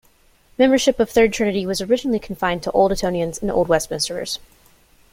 Membership of Third Trinity was originally confined to Old Etonians and Old Westminsters.